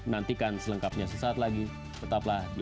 nantikan selengkapnya sesaat lagi tetaplah di afd news